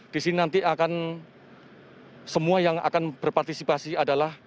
di sini nanti akan semua yang akan berpartisipasi adalah